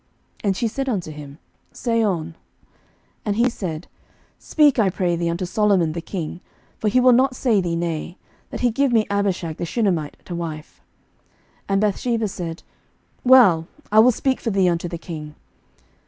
And she said unto him, Say on. 11:002:017 And he said, Speak, I pray thee, unto Solomon the king, (for he will not say thee nay,) that he give me Abishag the Shunammite to wife. 11:002:018 And Bathsheba said, Well; I will speak for thee unto the king.